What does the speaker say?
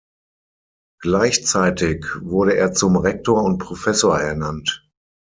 Gleichzeitig wurde er zum Rektor und Professor ernannt.